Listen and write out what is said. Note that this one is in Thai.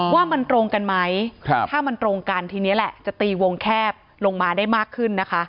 ว่ามันตรงกันไหมถ้ามันตรงกันทีนี้แหละจะตีวงแคบลงมาได้มากขึ้นนะคะ